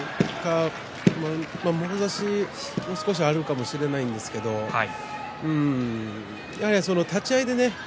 もろ差しも少しはあるかもしれませんがやはり立ち合いで